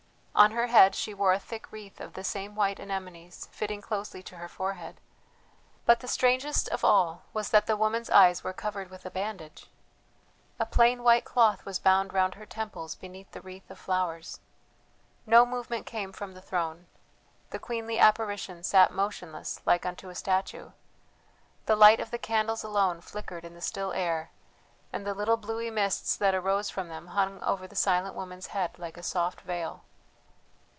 On her head she wore a thick wreath of the same white anemones fitting closely to her forehead; but the strangest of all was that the woman's eyes were covered with a bandage. A plain white cloth was bound round her temples beneath the wreath of flowers. No movement came from the throne; the queenly apparition sat motionless like unto a statue; the light of the candles alone flickered in the still air, and the little bluey mists that arose from them hung over the silent woman's head like a soft veil.